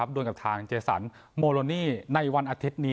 โดยกับทางเจสันโมโลนี่ในวันอาทิตย์นี้